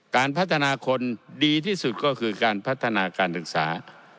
การพัฒนาคนดีที่สุดก็คือการพัฒนาการศึกษา